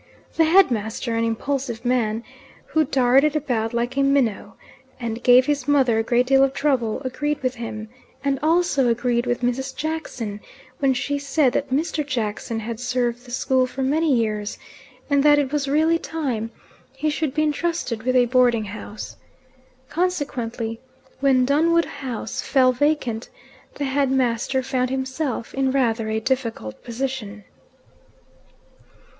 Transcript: The headmaster, an impulsive man who darted about like a minnow and gave his mother a great deal of trouble, agreed with him, and also agreed with Mrs. Jackson when she said that Mr. Jackson had served the school for many years and that it was really time he should be entrusted with a boarding house. Consequently, when Dunwood House fell vacant the headmaster found himself in rather a difficult position.